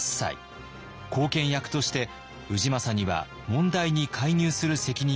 後見役として氏政には問題に介入する責任が生じます。